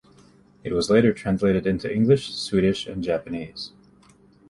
It was later translated into English, Swedish and Japanese.